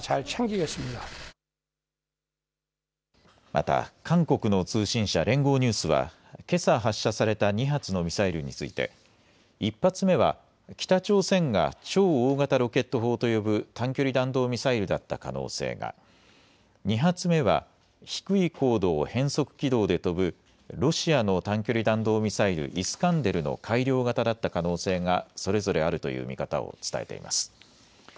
また韓国の通信社、連合ニュースはけさ発射された２発のミサイルについて１発目は北朝鮮が超大型ロケット砲と呼ぶ短距離弾道ミサイルだった可能性が、２発目は低い高度を変則軌道で飛ぶロシアの短距離弾道ミサイル、イスカンデルの改良型だった可能性がそれぞれあるという見方を伝えています。